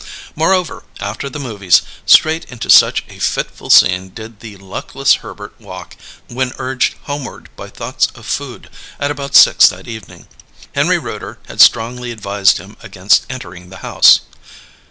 Moreover, after the movies, straight into such a fitful scene did the luckless Herbert walk when urged homeward by thoughts of food, at about six that evening. Henry Rooter had strongly advised him against entering the house.